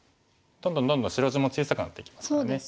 どんどんどんどん白地も小さくなっていきますからね。